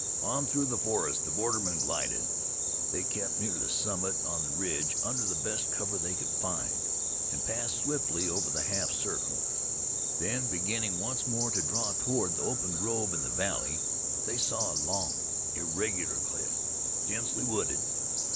On through the forest the bordermen glided. They kept near the summit of the ridge, under the best cover they could find, and passed swiftly over this half circle. When beginning once more to draw toward the open grove in the valley, they saw a long, irregular cliff, densely wooded.